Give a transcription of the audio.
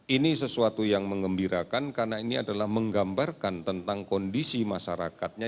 ini sesuatu yang mengembirakan karena ini adalah menggambarkan tentang kondisi masyarakatnya